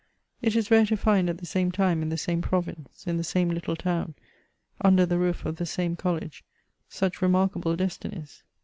It is rare to find at the same time, in the same province, in the same Httle town, under the roof of the same college such remarkable des tinies.